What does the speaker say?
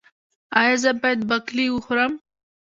ایا زه باید باقلي وخورم؟